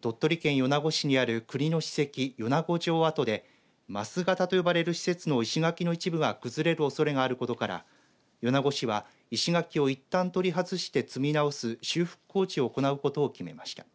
鳥取県米子市にある国の史跡米子城跡で升形と呼ばれる施設の石垣の一部がくずれるおそれがあることから米子市は石垣をいったん取り外して積み直す修復工事を行うことを決めました。